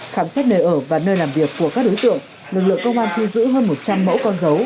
khám xét nơi ở và nơi làm việc của các đối tượng lực lượng công an thu giữ hơn một trăm linh mẫu con dấu